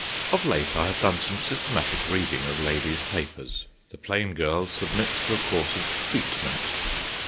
Of late I have done some systematic reading of ladies' papers. The plain girl submits to a course of "treatment."